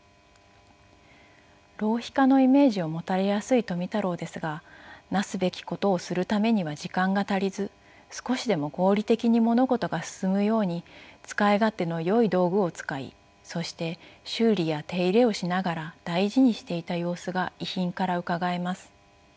浪費家のイメージを持たれやすい富太郎ですがなすべきことをするためには時間が足りず少しでも合理的に物事が進むように使い勝手のよい道具を使いそして修理や手入れをしながら大事にしていた様子が遺品からうかがえます。